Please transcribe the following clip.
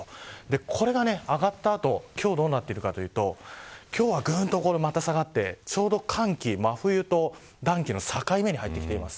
これが上がった後今日どうなっているかというと今日は、またぐんと下がってちょうど寒気と暖気の境目に入ってきています。